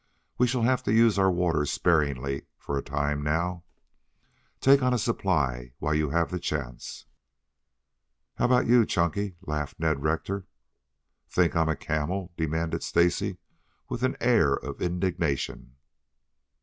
We shall have to use our water sparingly for a time now. Take on a supply while you have the chance." "How about you, Chunky?" laughed Ned Rector. "Think I'm a camel?" demanded Stacy, with an air of indignation.